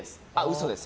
嘘です。